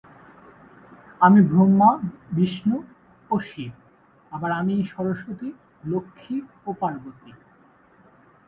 আমি ব্রহ্মা, বিষ্ণু ও শিব; আবার আমিই সরস্বতী, লক্ষ্মী ও পার্বতী।